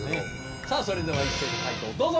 さあそれでは一斉に解答どうぞ！